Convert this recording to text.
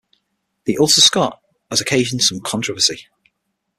The Ulster-Scot has occasioned some controversy.